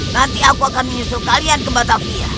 nanti aku akan menyusul kalian ke batavia